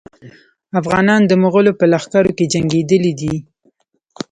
افغانان د مغولو په لښکرو کې جنګېدلي دي.